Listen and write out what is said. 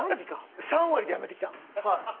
３割でやめてきた。